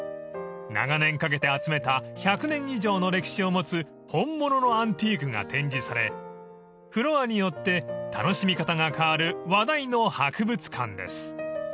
長年かけて集めた１００年以上の歴史を持つ本物のアンティークが展示されフロアによって楽しみ方が変わる話題の博物館です］